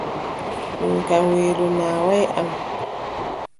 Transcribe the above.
Mi kam weelo naawaay am.